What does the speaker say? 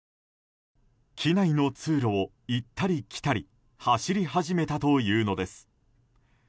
機内の通路を行ったり来たり走り始めたというのです。